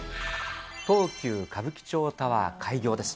東急歌舞伎町タワー開業です。